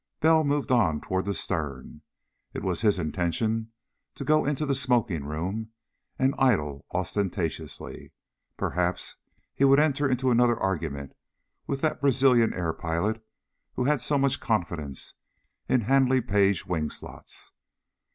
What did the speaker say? Bell moved on toward the stern. It was his intention to go into the smoking room and idle ostentatiously. Perhaps he would enter into another argument with that Brazilian air pilot who had so much confidence in Handley Page wing slots.